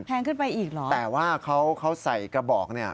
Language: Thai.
แพงขึ้นไปอีกเหรอแต่ว่าเขาใส่กระบอกนี่